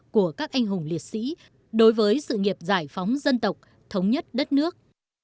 của các anh hùng liệt sĩ đối với sự nghiệp giải phóng dân tộc thống nhất đất nước